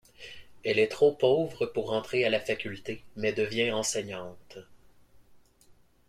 Elle est trop pauvre pour entrer à la faculté mais devient enseignante.